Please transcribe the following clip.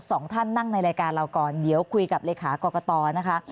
สองท่านนั่งในรายการเราก่อนเดี๋ยวคุยกับเลขากรกตนะคะ